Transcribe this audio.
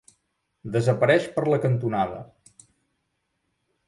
Desapareix per la cantonada.